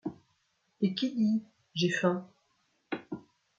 Et qui dit : J’ai faim ?